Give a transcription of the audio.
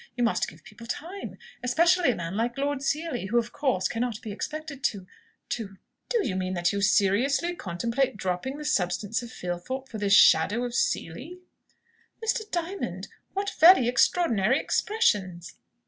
You must give people time. Especially a man like Lord Seely, who of course cannot be expected to to " "Do you mean that you seriously contemplate dropping the substance of Filthorpe, for this shadow of Seely?" "Mr. Diamond! What very extraordinary expressions!"